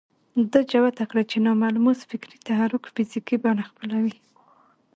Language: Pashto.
ده جوته کړه چې ناملموس فکري تحرک فزيکي بڼه خپلوي.